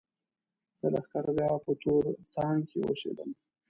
د لښکرګاه په تور ټانګ کې اوسېدم.